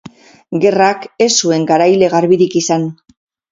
Gerrak ez zuen garaile garbirik izan.